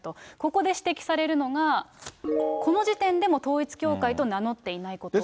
ここで指摘されるのが、この時点でも統一教会と名乗っていないこと。